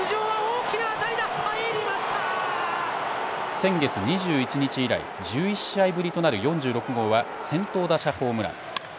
先月２１日以来、１１試合ぶりとなる４６号は先頭打者ホームラン。